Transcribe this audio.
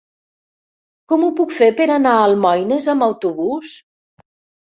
Com ho puc fer per anar a Almoines amb autobús?